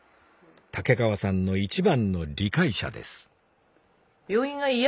竹川さんの一番の理解者です